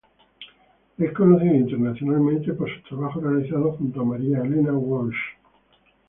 Es conocido internacionalmente por sus trabajos realizados junto a María Elena Walsh.